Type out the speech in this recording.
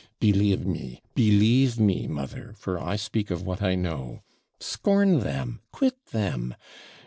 'Believe me believe me, mother; for I speak of what I know. Scorn them quit them!